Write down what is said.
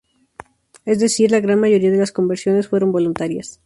Es decir, la gran mayoría de conversiones fueron voluntarias.